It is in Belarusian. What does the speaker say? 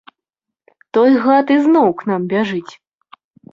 Той гад ізноў к нам бяжыць.